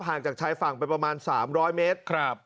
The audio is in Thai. ห่างจากชายฝั่งไปประมาณสามร้อยเมตรครับ